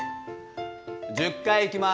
１０回いきます。